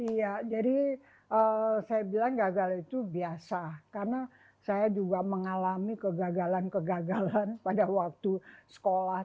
iya jadi saya bilang gagal itu biasa karena saya juga mengalami kegagalan kegagalan pada waktu sekolah